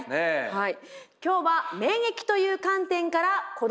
はい。